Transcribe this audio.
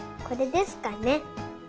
これですかね。